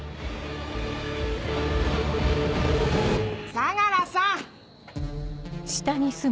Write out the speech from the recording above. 相良さん！